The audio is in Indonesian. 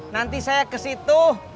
nanti saya kesitu